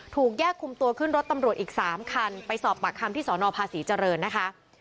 ถูกแยกคุมตัวขึ้นรถตำรวจอีก๓คันไปสอบปากคำที่สนภาษีเจริญนะคะ